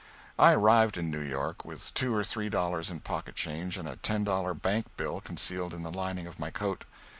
I arrived in New York with two or three dollars in pocket change and a ten dollar bank bill concealed in the lining of my coat.